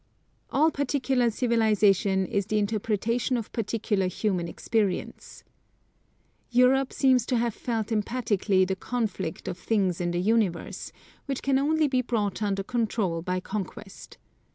All particular civilisation is the interpretation of particular human experience. Europe seems to have felt emphatically the conflict of things in the universe, which can only be brought under control by conquest.